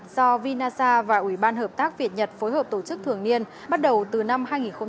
do vinasa và ủy ban hợp tác việt nhật phối hợp tổ chức thường niên bắt đầu từ năm hai nghìn một mươi